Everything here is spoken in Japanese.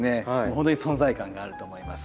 ほんとに存在感があると思います。